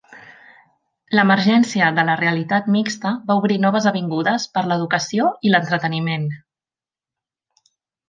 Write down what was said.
L'emergència de la realitat mixta va obrir noves avingudes per a l'educació i l'entreteniment.